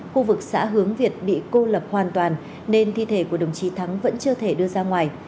khu vực xã hướng việt bị cô lập hoàn toàn nên thi thể của đồng chí thắng vẫn chưa thể đưa ra ngoài